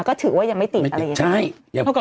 ก็ถือว่ายังไม่ติดอะไรอย่างนี้